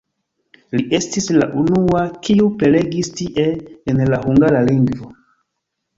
Li estis la unua, kiu prelegis tie en la hungara lingvo.